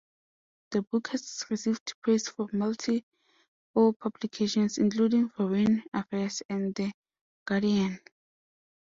The book has received praise from multiple publications including "Foreign Affairs" and "The Guardian".